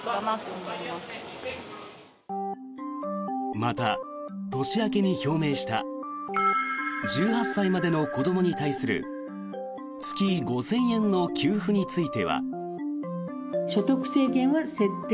また、年明けに表明した１８歳までの子どもに対する月５０００円の給付については。